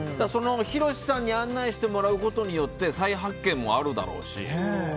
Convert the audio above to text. ヒロシさんに案内してもらうことによって再発見もあるだろうし。